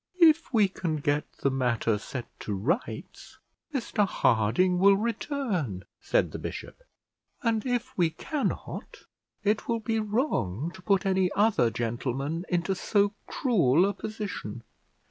"If we can get the matter set to rights, Mr Harding will return," said the bishop; "and if we cannot, it will be wrong to put any other gentleman into so cruel a position."